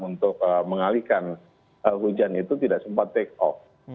untuk mengalihkan hujan itu tidak sempat take off